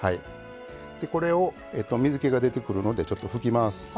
これを水けが出てくるのでちょっと拭きます。